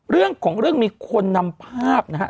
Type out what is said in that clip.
เรื่องของเรื่องมีคนนำภาพนะฮะ